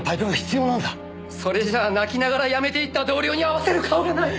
それじゃあ泣きながら辞めていった同僚に会わせる顔がない！